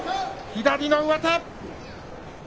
左の上手。